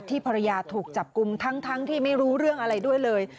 ภรรยาถูกจับกลุ่มทั้งที่ไม่รู้เรื่องอะไรด้วยเลย